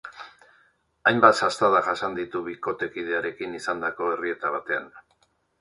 Hainbat sastada jasan ditu bikotekidearekin izandako errieta batean.